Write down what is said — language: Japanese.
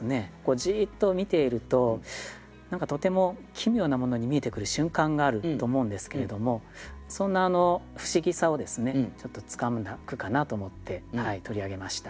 じっと見ていると何かとても奇妙なものに見えてくる瞬間があると思うんですけれどもそんな不思議さをちょっとつかんだ句かなと思って取り上げました。